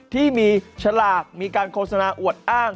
ที่มีฉลากมีการโฆษณาอวดอ้าง